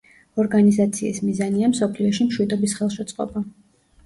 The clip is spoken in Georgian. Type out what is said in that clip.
ორგანიზაციის მიზანია მსოფლიოში მშვიდობის ხელშეწყობა.